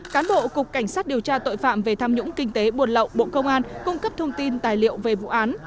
cán bộ cục cảnh sát điều tra tội phạm về tham nhũng kinh tế buồn lậu bộ công an cung cấp thông tin tài liệu về vụ án